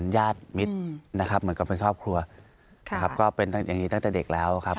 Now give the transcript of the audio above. อย่างนี้ตั้งแต่เด็กแล้วครับ